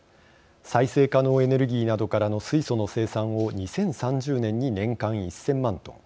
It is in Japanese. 再生可能エネルギーなどからの水素の生産を２０３０年に年間１，０００万トン